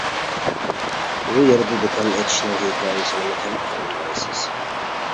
ئۇ يەردە دۇكان ئېچىشنىڭ ھېكايىسىنىمۇ كەم قويمىغايسىز.